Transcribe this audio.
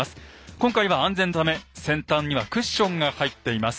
今回は安全のため先端にはクッションが入っています。